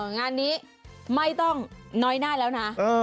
งานนี้ไม่ต้องน้อยหน้าแล้วนะ